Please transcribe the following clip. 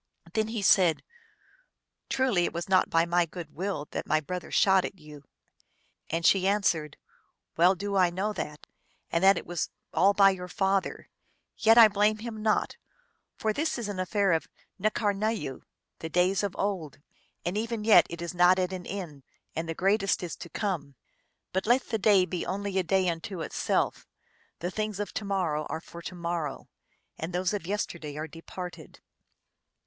Then he said, " Truly it was not by my good will that my brother shot at you." And she an swered, " Well do I know that, and that it was all by your father ; yet I blame him not, for this is an affair of N karnayoo, the days of old ; and even yet it is not at an end, and the greatest is to come. But let the day be only a day unto itself ; the things of to morrow are for to morrow, and those of yesterday are departed."